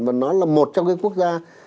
và nó là một trong các quốc gia